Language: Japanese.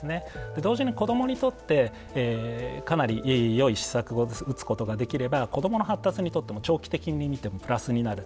同時に子どもにとってかなりよい施策を打つことができれば子どもの発達にとっても長期的に見てもプラスになる。